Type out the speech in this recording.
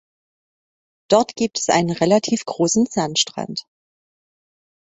Dort gibt es einen relativ großen Sandstrand.